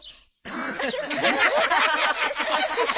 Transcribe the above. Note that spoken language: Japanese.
アハハハ。